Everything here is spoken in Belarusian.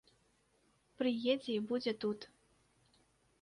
Прыедзе і будзе тут.